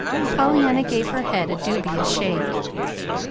Pollyanna gave her head a dubious shake.